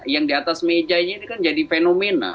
yang di atas mejanya ini kan jadi fenomena